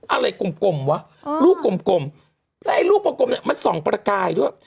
อะไรกลมกลมวะลูกกลมกลมแล้วไอ้ลูกกลมกลมเนี้ยมันส่องประกายด้วย